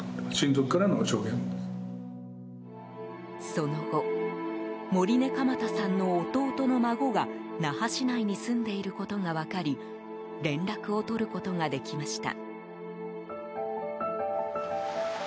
その後盛根蒲太さんの弟の孫が那覇市内に住んでいることが分かり連絡を取ることができました。